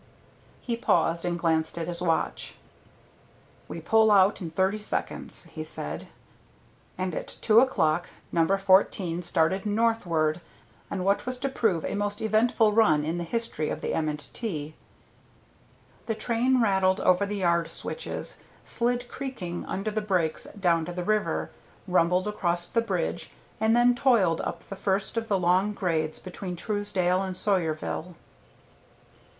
He paused and glanced at his watch. "We pull out in thirty seconds," he said. And at two o'clock No. 14 started northward on what was to prove a most eventful run in the history of the M. & T. The train rattled over the yard switches, slid creaking under the brakes down to the river, rumbled across the bridge, and then toiled up the first of the long grades between Truesdale and Sawyerville.